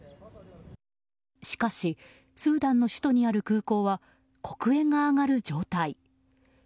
しかし、スーダンの首都にある空港は黒煙が上がる状態。